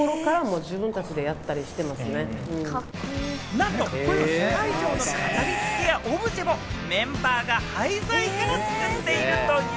なんと会場の飾り付けやオブジェもメンバーが廃材から作っているという。